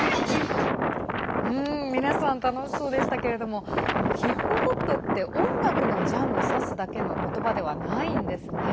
皆さん楽しそうでしたけどヒップホップって音楽のジャンルを指すだけの言葉ではないんですね。